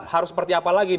harus seperti apa lagi